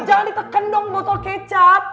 jangan diteken dong botol kecap